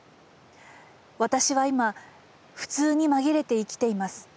私は今普通に紛れて生きています。